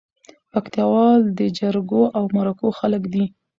پکتياوال دي جرګو او مرکو خلک دي